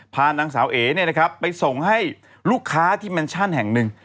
พานางสาวเอ๋ไปส่งให้ลูกค้าที่แมนชั่นแห่งหนึ่ง